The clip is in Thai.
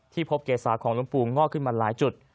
พบเกษาของหลวงปู่งอกขึ้นมาหลายจุด